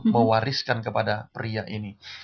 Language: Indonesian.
mewariskan kepada pria ini